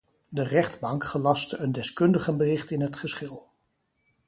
De rechtbank gelastte een deskundigenbericht in het geschil.